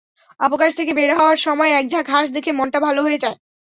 অবকাশ থেকে বের হওয়ার সময় একঝাঁক হাঁস দেখে মনটা ভালো হয়ে যায়।